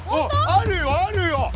あるよあるよ。